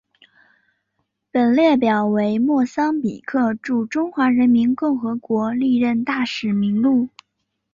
本列表为莫桑比克驻中华人民共和国历任大使名录。